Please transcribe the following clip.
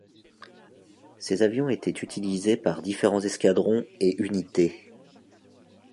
Ces avions étaient utilisés par différents escadrons et unités.